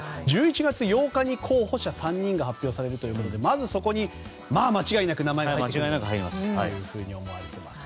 １１月８日に候補者３人が発表されるということでまずそこに間違いなく名前が入ると思われます。